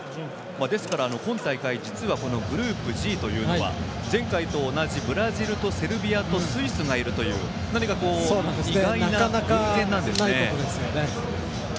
ですから今大会グループＧというのは前回と同じ、ブラジルとセルビアとスイスがいるという意外な偶然なんですね。